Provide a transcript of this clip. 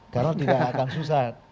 karena tidak akan susah